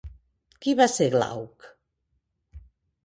Qui va ser Glauc?